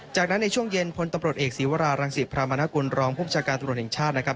จากนั้นในช่วงเย็นพลตำรวจเอกศีวรารังศิพรามนกุลรองผู้บัญชาการตรวจแห่งชาตินะครับ